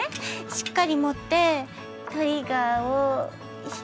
しっかり持ってトリガーを引く。